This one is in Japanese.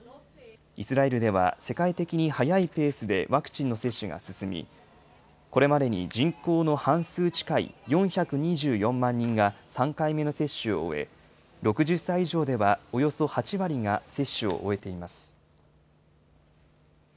イスラエルでは世界的に速いペースでワクチンの接種が進み、これまでに人口の半数近い４２４万人が３回目の接種を終え、６０歳以上ではおよそ８割が接種を終えています。